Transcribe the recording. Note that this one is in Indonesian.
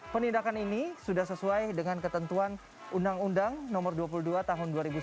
penindakan ini sudah sesuai dengan ketentuan undang undang no dua puluh dua tahun dua ribu sembilan